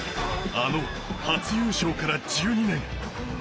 あの初優勝から１２年。